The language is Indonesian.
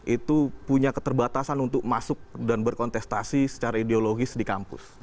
itu punya keterbatasan untuk masuk dan berkontestasi secara ideologis di kampus